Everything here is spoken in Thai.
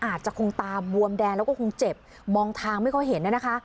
อาจจะคงตาบวมแดงแล้วก็คงเจ็บมองทางไม่ค่อยเห็นนะคะ